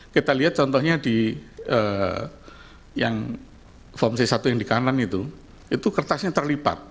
kita lihat contohnya di yang form c satu yang di kanan itu itu kertasnya terlipat